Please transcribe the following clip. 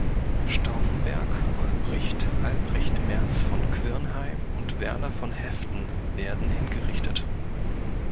Stauffenberg, Olbricht, Albrecht Mertz von Quirnheim und Werner von Haeften werden hingerichtet.